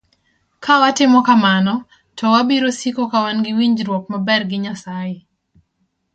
Ka watimo kamano, to wabiro siko ka wan gi winjruok maber gi Nyasaye.